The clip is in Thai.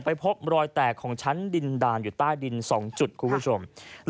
พบรอยแตกของชั้นดินดานอยู่ใต้ดิน๒จุดคุณผู้ชม